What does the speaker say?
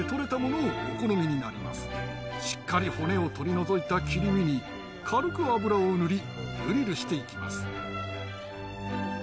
しっかり骨を取り除いた切り身に軽く油を塗りグリルして行きます。